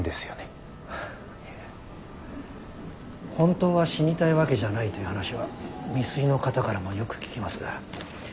いえ本当は死にたいわけじゃないという話は未遂の方からもよく聞きます。